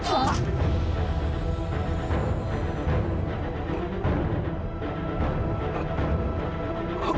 kita istirahat dulu